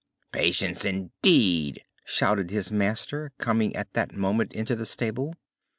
"Patience indeed!" shouted his master, coming at that moment into the stable.